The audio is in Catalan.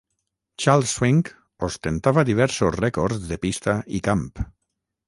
Charles Swink ostentava diversos rècords de pista i camp.